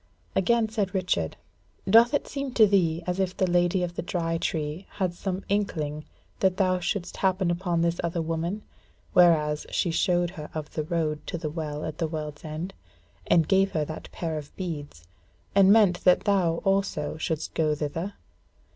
Again said Richard: "Doth it seem to thee as if the Lady of the Dry Tree had some inkling that thou shouldst happen upon this other woman: whereas she showed her of the road to the Well at the World's End, and gave her that pair of beads, and meant that thou also shouldest go thither?